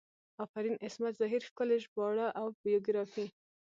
افرین عصمت زهیر ښکلي ژباړه او بیوګرافي